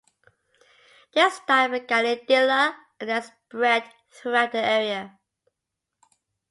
This style began in Dilla, and then spread throughout the area.